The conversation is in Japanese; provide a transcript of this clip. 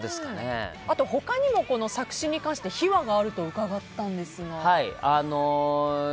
あと、他にも作詞に関して秘話があると伺ったんですが。